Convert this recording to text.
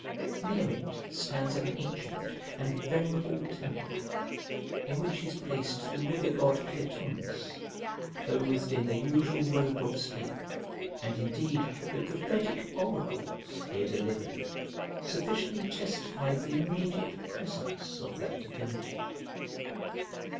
Near it stands an ancient and venerable temple, in which is placed the river god Clitumnus clothed in the usual robe of state; and indeed the prophetic oracles here delivered sufficiently testify the immediate presence of that divinity.